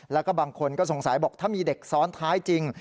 แล้วก็บางคนก็สงสัยบอกถ้ามีเด็กซ้อนท้ายจริง